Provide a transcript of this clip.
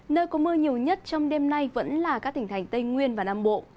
nơi có mưa nhiều nhất trong đêm nay vẫn là các tỉnh thành tây nguyên và nam bộ